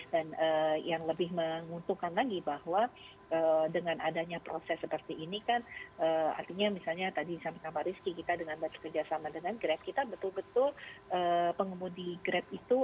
dan yang lebih menguntungkan lagi bahwa dengan adanya proses seperti ini kan artinya misalnya tadi sampit nama rizky kita dengan bekerjasama dengan grep kita betul betul pengemudi grep itu